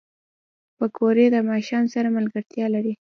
پکورې د ماښام سره ملګرتیا لري